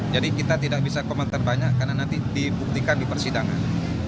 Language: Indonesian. jadi kita tidak bisa komentar banyak karena nanti dibuktikan dipersidangan